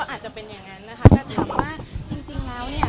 อาจจะเป็นอย่างนั้นนะคะแต่ถามว่าจริงแล้วเนี่ย